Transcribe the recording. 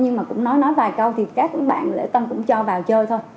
nhưng mà cũng nói nói vài câu thì các bạn lễ tân cũng cho vào chơi thôi